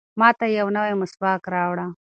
ماته یو نوی مسواک راوړه.